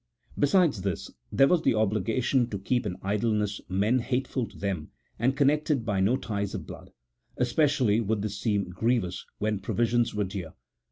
Besides this, there was the obligation to keep in idleness men hateful to them, and connected by no ties of blood. Especially would this seem grievous when provisions were dear.